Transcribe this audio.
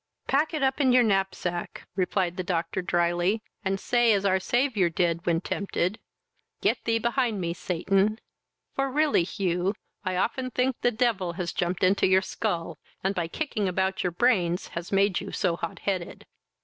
"Pack it up in your knapsack, (replied the doctor drily,) and say, as our Saviour did, when tempted, "Get thee behind me, Satan!" for really Hugh, I often think the devil has jumped into your skull, and, by kicking about your brains, has made you so hot headed."